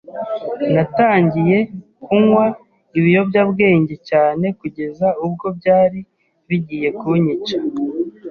natangiye kunywa ibiyobyabwenge cyane kugeza ubwo byari bigiye kunyica,